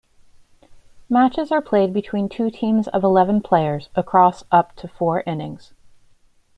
Matches are played between two teams of eleven players, across up to four innings.